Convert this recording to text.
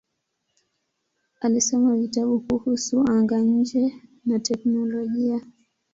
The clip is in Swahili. Alisoma vitabu kuhusu anga-nje na teknolojia.